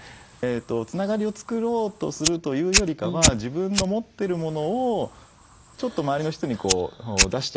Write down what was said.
つながりを作ろうとするというよりかは自分の持ってるものをちょっと周りの人に出してあげる。